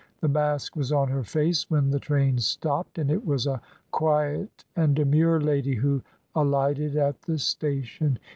The mask was on her face when the train stopped, and it was a quiet and demure lady who alighted at the station.